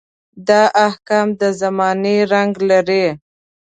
دا احکام د زمان رنګ لري.